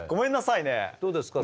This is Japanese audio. どうですか？